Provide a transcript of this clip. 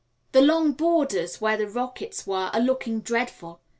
The long borders, where the rockets were, are looking dreadful.